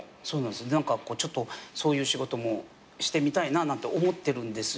何かちょっとそういう仕事もしてみたいななんて思ってるんですよなんて